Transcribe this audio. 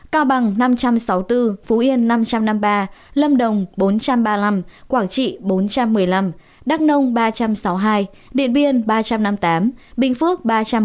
cao bằng năm trăm sáu mươi bốn phú yên năm trăm năm mươi ba lâm đồng bốn trăm ba mươi năm quảng trị bốn trăm một mươi năm đắk nông ba trăm sáu mươi hai điện biên ba trăm năm mươi tám bình phước ba trăm ba mươi